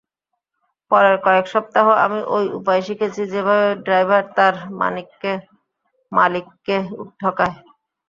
পরের কয়েক সপ্তাহে, আমি ওই উপায় শিখেছি যেভাবে ড্রাইভার তার মালিককে ঠকায়।